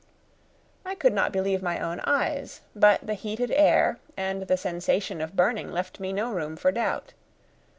I could not believe my own eyes; but the heated air and the sensation of burning left me no room for doubt.